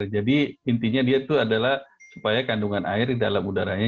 jadi intinya dia itu adalah supaya kandungan air di dalam udaranya